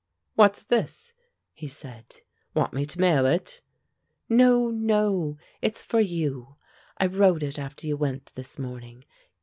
"What's this?" he said. "Want me to mail it?" "No, no. It's for you. I wrote it after you went this morning.